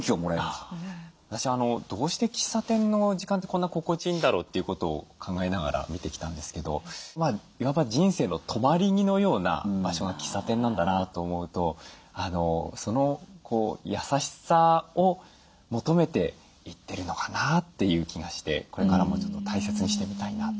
私はどうして喫茶店の時間ってこんな心地いいんだろうということを考えながら見てきたんですけどいわば人生の止まり木のような場所が喫茶店なんだなと思うとその優しさを求めて行ってるのかなっていう気がしてこれからもちょっと大切にしてみたいなと思いました。